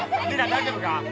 大丈夫か？